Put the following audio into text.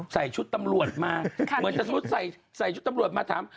ใส่ชุดตำรวจมาเหมือนสมมุติใส่ชุดตำรวจมาถาม